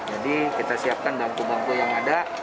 jadi kita siapkan bangku bangku yang ada